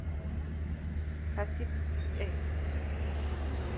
Precipitation for the park is approximately per year.